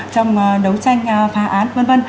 trong đấu tranh phá áp